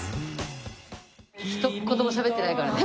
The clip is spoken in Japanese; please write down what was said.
ひと言もしゃべってないからね。